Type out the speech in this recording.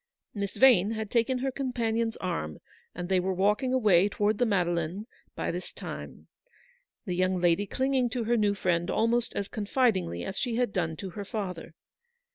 Miss Yane had taken her companion's arm, and they were walking away towards the Made leine by this time; the young lady clinging to her new friend almost as confidingly as she had done to her father.